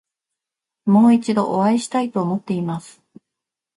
もう一度お会いしたいと思っています。